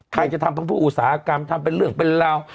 ใครจะทำเป็นผู้อุตสาหกรรมทำเป็นเรื่องเป็นราว